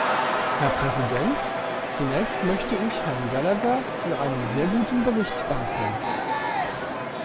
Herr Präsident, zunächst möchte ich Herrn Gallagher für einen sehr guten Bericht danken.